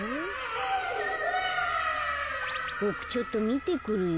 ボクちょっとみてくるよ。